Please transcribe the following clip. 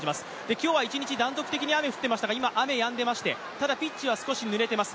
今日は一日、断続的に雨が降っていましたが、今、雨やんでまして、ただピッチは少しぬれてます。